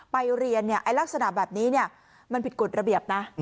ไปเรียนเนี่ยลักษณะแบบนี้เนี่ยมันผิดกฎระเบียบนะ